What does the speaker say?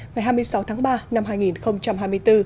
ngày hai mươi sáu tháng ba năm một nghìn chín trăm chín mươi